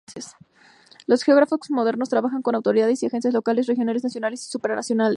Los geógrafos modernos trabajan con autoridades y agencias locales, regionales nacionales y supranacionales.